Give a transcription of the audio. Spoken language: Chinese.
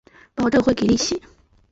保证会给利息